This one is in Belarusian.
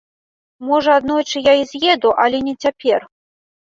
Можа, аднойчы я і з'еду, але не цяпер.